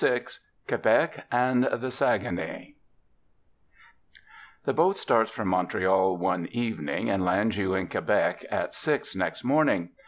VI QUEBEC AND THE SAGUENAY The boat starts from Montreal one evening, and lands you in Quebec at six next morning.